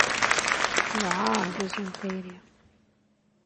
Yewɛaṛ wuzzu n tayri.